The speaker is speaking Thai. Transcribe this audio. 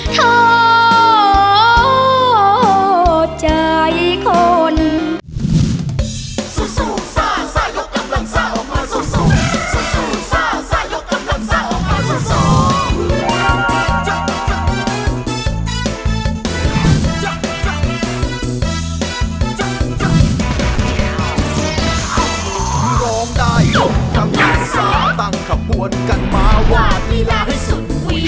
เพื่อนมนต์โทษใจคน